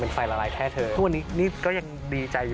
คุณผู้ชมไม่เจนเลยค่ะถ้าลูกคุณออกมาได้มั้ยคะ